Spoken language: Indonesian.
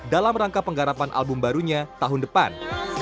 dalam rangka penggarapan album barunya tahun depan